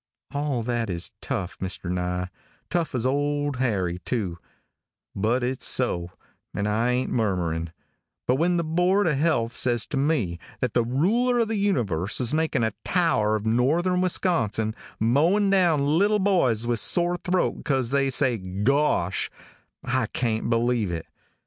All that is tough, Mr. Nye tough as old Harry, too but its so, and I ain't murmurin', but when the board of health says to me that the Ruler of the Universe is makin' a tower of Northern Wisconsin, mowin' down little boys with sore throat because they say 'gosh,' I can't believe it.